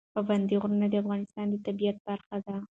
پابندی غرونه د افغانستان د طبیعت برخه ده.